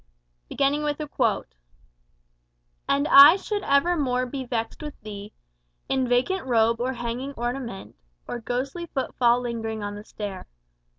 VII. The Desengãno "And I should evermore be vexed with thee In vacant robe, or hanging ornament, Or ghostly foot fall lingering on the stair."